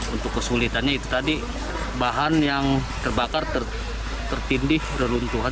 untuk kesulitannya itu tadi bahan yang terbakar tertindih reruntuhan